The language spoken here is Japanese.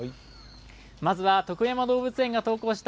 まずは徳山動物園が投稿した